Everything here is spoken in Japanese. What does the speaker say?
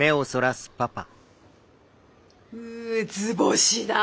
う図星だ。